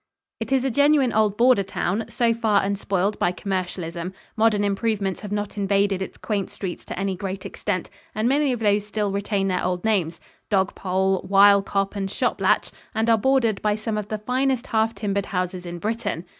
It is a genuine old border town, so far unspoiled by commercialism. Modern improvements have not invaded its quaint streets to any great extent, and many of these still retain their old names Dog pole, Wylecop and Shoplatch and are bordered by some of the finest half timbered houses in Britain.